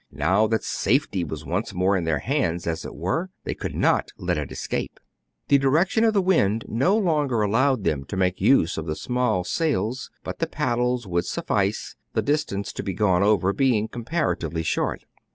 Now that safety was once more in their hands, as it were, they would not let it escape. The direction of the wind no longer allowed them to make use of the small sails ; but the paddles would suffice, the distance to be gone over being comparatively short.